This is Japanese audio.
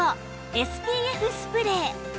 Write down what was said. ＳＰＦ スプレー